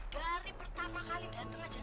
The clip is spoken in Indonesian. dari pertama kali datang aja